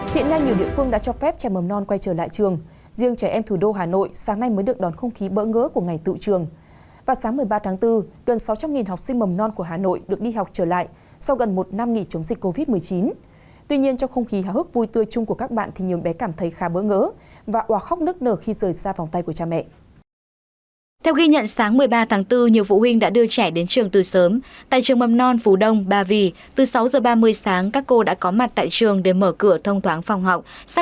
hãy đăng ký kênh để ủng hộ kênh của chúng mình nhé